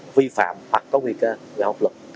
vi phạm hoặc có nguy cơ giao hợp lực